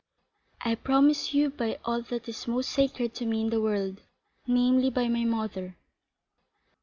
"I promise you by all that is most sacred to me in the world, namely, by my mother."